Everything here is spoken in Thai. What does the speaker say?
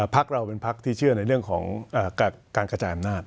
พักเราเป็นพักที่เชื่อในเรื่องของการกระจายอำนาจ